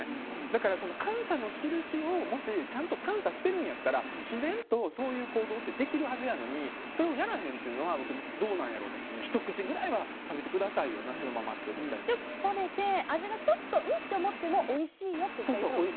だから感謝の印をもしちゃんと感謝しているんやったら自然とそういう行動ってできるはずやのにそれをやらへんというのは僕、どうなんやろうってひと口くらいは食べてくださいよひと口食べて味がちょっとうん？って思ってもおいしいよと。